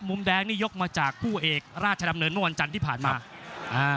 มุมแดงนี่ยกมาจากผู้เอกราชดำเนินเมื่อวันจันทร์ที่ผ่านมาอ่า